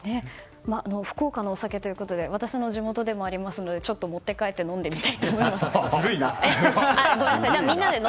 福岡のお酒ということで私の地元でもありますのでちょっと持って帰って飲んでみたいと思います。